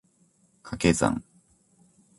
掛け算